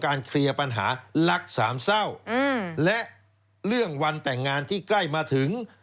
เคลียร์ปัญหารักสามเศร้าและเรื่องวันแต่งงานที่ใกล้มาถึง